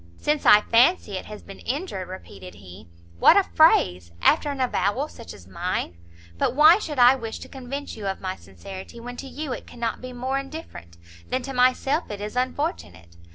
"Since I fancy it has been injured!" repeated he; "what a phrase, after an avowal such as mine! But why should I wish to convince you of my sincerity, when to you it cannot be more indifferent, than to myself it is unfortunate!